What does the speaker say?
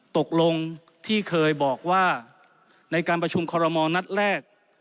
ตกลงที่เคยบอกว่าในการประชุมคอรมอลนัดแรก